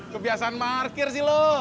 kebiasaan markir sih lo